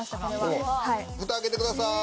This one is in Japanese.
フタ開けてください。